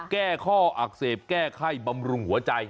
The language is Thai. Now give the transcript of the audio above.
แก้ข้ออักเสบแก้ไข้บำรุงหัวใจ